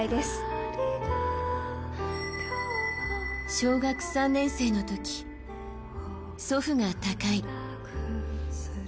小学３年生の時、祖父が他界。